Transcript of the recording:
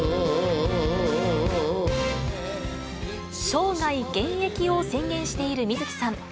生涯現役を宣言している水木さん。